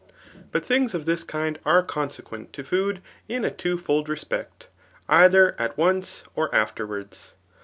But things of this kind aiie consequent to food in a two fcid respect ; either it once or afterwards.